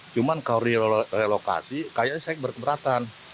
cuma kalau di relokasi kayaknya saya berkeberatan